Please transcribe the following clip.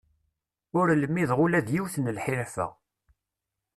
Ur lmideɣ ula d yiwet n lḥirfa.